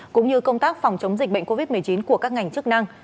cũng như công tác phòng chống dịch bệnh covid một mươi chín của các ngành chức năng